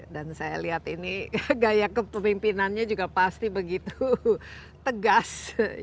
dan saya lihat ini gaya kepemimpinannya juga pasti begitu tegas